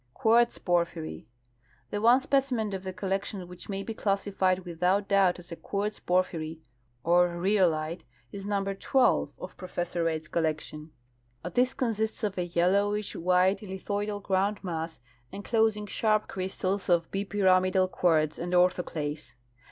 Quartz pwphyry. — Tlie one specimen of tlie collection which may be classified without doubt as a quartz por2:)hyry or rhyo lite is number 12 of Professor Reid's collection. This consists of a 3^ellowish white lithoidal grounclmass, enclosing sharj) crystals oi bipyramidal quartz and orthoclase.